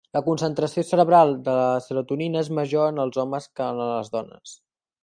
La concentració cerebral de serotonina és major en els homes que en les dones.